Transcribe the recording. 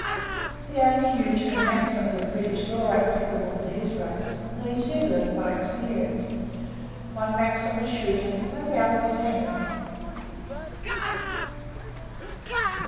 He only knew two maxims of British law applicable to his race, and these he had learned by experience. One maxim was "Shoot 'em" and the other was "Hang him."